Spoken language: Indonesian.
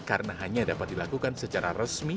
karena hanya dapat dilakukan secara resmi